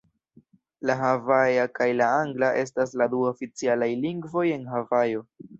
La havaja kaj la angla estas la du oficialaj lingvoj en Havajo.